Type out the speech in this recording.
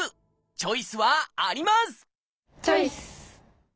チョイス！